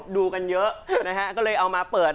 ตื่นยามเช้าซะหน่อย